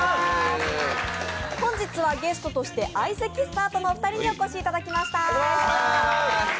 本日はゲストとして相席スタートのお二人にお越しいただきました。